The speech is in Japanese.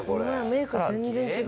メイク全然違う。